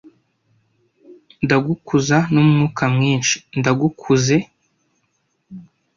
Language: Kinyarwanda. Ndagukuza numwuka mwinshi, ndagukuze,